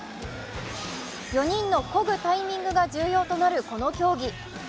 ４人のこぐタイミングが重要となるこの競技。